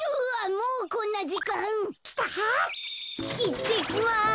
いってきます。